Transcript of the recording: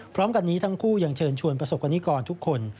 พร้อมกันนี้ทั้งคู่ยังเชิญชวนประสบกรณิกรทุกคน